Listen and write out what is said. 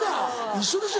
一緒ですよ。